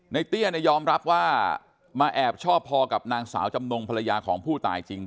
เตี้ยยอมรับว่ามาแอบชอบพอกับนางสาวจำนงภรรยาของผู้ตายจริง